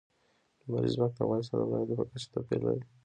لمریز ځواک د افغانستان د ولایاتو په کچه توپیر لري.